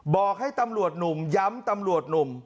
บอกให้ตำรวจหนุ่มย้ำตำรวจหนุ่ม